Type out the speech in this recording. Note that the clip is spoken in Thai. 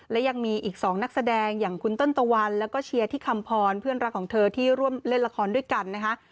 และยังมีอีก๒นักแสดงอย่างคุณเติ้ลตะวันแล้วก็เชียร์ที่คำพรเพื่อนรักของเธอที่ร่วมเล่นละครด้วยกันนะคะ